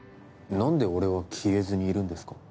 なんで俺は消えずにいるんですか？